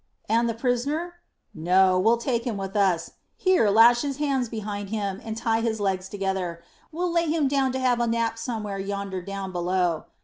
"And the prisoner?" "No; we'll take him with us. Here, lash his hands behind him, and tie his legs together. We'll lay him down to have a nap somewhere yonder down below.